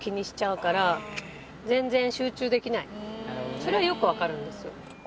それはよく分かるんですよ。